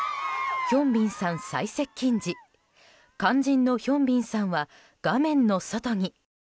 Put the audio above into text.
ヒョンビンさん、再接近時肝心のヒョンビンさんは画面の外に。